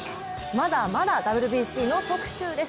まだまだＷＢＣの特集です。